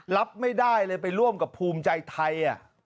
รับไม่ได้เลยไปร่วมกับภูมิใจไทย